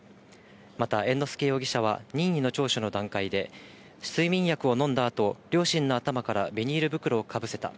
また猿之助容疑者は、任意の聴取の段階で、睡眠薬を飲んだあと、両親の頭からビニール袋をかぶせた。